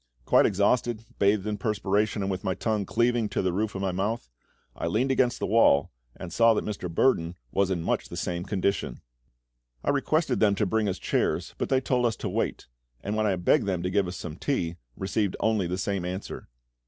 Quite exhausted, bathed in perspiration, and with my tongue cleaving to the roof of my mouth, I leaned against the wall, and saw that Mr. Burdon was in much the same condition. I requested them to bring us chairs, but they told us to wait; and when I begged them to give us some tea, received only the same answer.